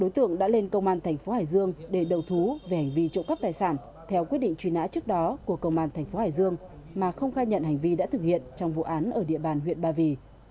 trong thời gian này tình huống của công an thành phố hải dương mà không khai nhận hành vi đã thực hiện trong vụ án ở địa bàn huyện ba vì